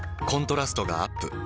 コントラストがアップ。